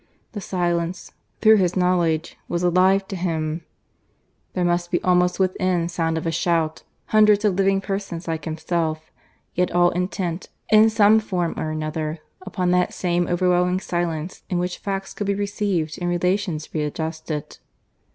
The silence, through his knowledge, was alive to him. There must be, almost within sound of a shout, hundreds of living persons like himself, yet all intent, in some form or another, upon that same overwhelming silence in which facts could be received and relations readjusted.